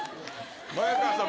前川さん